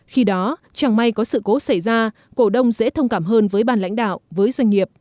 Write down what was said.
khi đó chẳng may có sự cố xảy ra cổ đông dễ thông cảm hơn với bàn lãnh đạo với doanh nghiệp